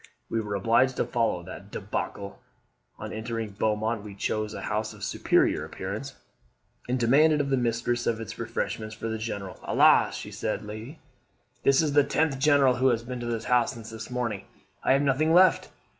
We were obliged to follow that DEBACLE. On entering Beaumont we chose a house of superior appearance, and demanded of the mistress of it refreshments for the General. 'Alas!' said the lady, 'this is the tenth General who has been to this house since this morning. I have nothing left.